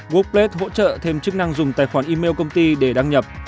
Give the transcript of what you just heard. workplace hỗ trợ thêm chức năng dùng tài khoản email công ty để đăng nhập